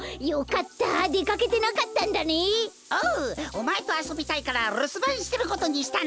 おまえとあそびたいからるすばんしてることにしたんだぜ！